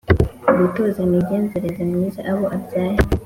gutoza imigenzereze myiza abo abyaye